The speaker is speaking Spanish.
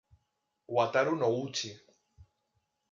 Wataru Noguchi